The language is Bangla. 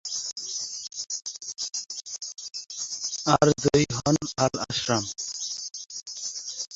আর জয়ী হন আল-আশরাম।